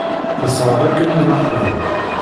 Tesɣa-d akamyun aqbur.